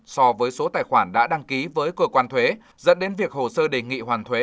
so với số tài khoản đã đăng ký với cơ quan thuế dẫn đến việc hồ sơ đề nghị hoàn thuế